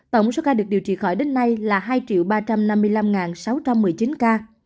tổng số ca được điều trị khỏi đến nay là hai ba trăm năm mươi năm sáu trăm một mươi chín ca